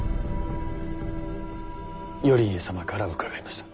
頼家様から伺いました。